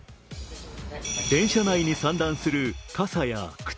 電車内に散乱する傘や靴。